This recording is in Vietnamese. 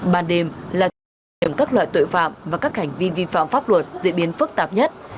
ban đêm là trường hợp các loại tội phạm và các hành vi vi phạm pháp luật diễn biến phức tạp nhất